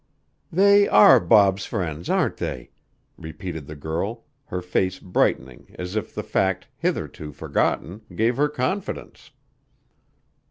"They are Bob's friends, aren't they?" repeated the girl, her face brightening as if the fact, hitherto forgotten, gave her confidence.